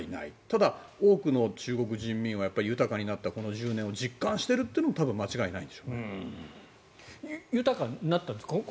ただ、多くの中国人民は豊かになったこの１０年を実感してるっていうのも間違いないでしょうね。